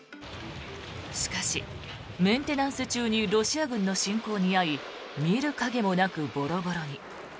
しかし、メンテナンス中にロシア軍の侵攻に遭い見る影もなくボロボロに。